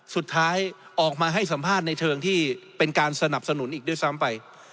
สุดท้ายออกมาให้สัมภาษณ์ในเชิงที่เป็นการสนับสนุนอีกด้วยซ้ำไป